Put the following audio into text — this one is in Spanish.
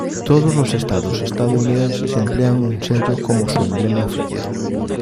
Todos los estados estadounidenses emplean un sello como su emblema oficial.